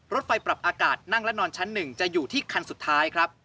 รถไฟปรับอากาศนั่งและนอนชั้น๑จะอยู่ที่คันสุดท้ายครับ